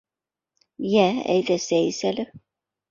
Йә, әйҙә, сәй эс әле...